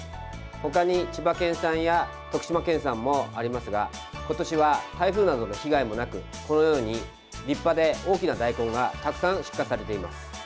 他に千葉県産や徳島県産もありますが今年は台風などの被害もなくこのように立派で大きな大根がたくさん出荷されています。